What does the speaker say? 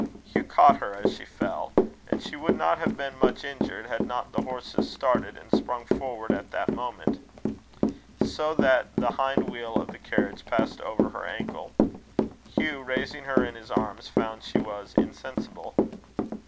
Hugh caught her as she fell; and she would not have been much injured, had not the horses started and sprung forward at the moment, so that the hind wheel of the carriage passed over her ankle. Hugh, raising her in his arms, found she was insensible.